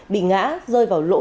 bị ngã rơi vào luồng